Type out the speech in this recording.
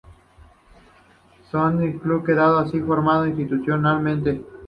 Sporting Club, quedando así formado institucionalmente.